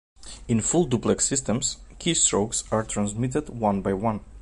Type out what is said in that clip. In full-duplex systems, keystrokes are transmitted one by one.